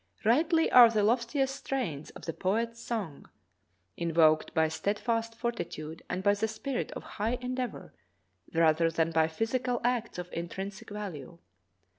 Rightly are the loftiest strains of the poet's songs invoked by steadfast fortitude and by the spirit of high endeavor rather than by physical acts of intrinsic value.